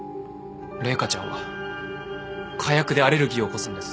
麗華ちゃんは火薬でアレルギーを起こすんです。